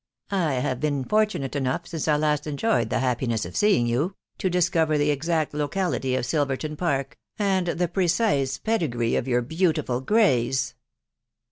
•.•" I have been fortunate enough, since I last enjoyed the hap piness of seeing you, to discover the exact locality of Silverton Park, and the precise pedigree of your beautiful greys."